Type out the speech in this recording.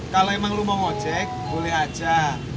kalau emang lo mau ngojek boleh aja